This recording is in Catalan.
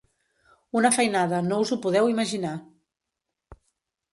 Una feinada, no us ho podeu imaginar!